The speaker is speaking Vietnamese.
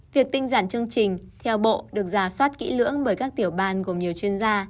việc tinh giản chương trình theo bộ được giả soát kỹ lưỡng bởi các tiểu ban gồm nhiều chuyên gia